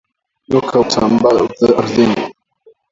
Nyoka hutambaa ardhini